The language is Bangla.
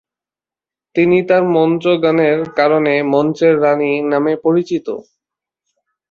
তিনি তার মঞ্চ গানের কারণে মঞ্চের রানী নামে পরিচিত।